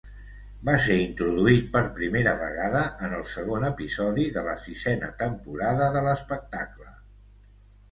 Va ser introduït per primera vegada en el segon episodi de la sisena temporada de l'espectacle.